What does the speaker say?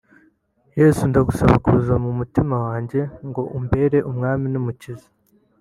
Yesu ndagusaba kuza mu mutima wajye ngo umbere Umwami n’Umukiza